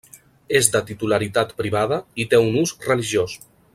És de titularitat privada i té un ús religiós.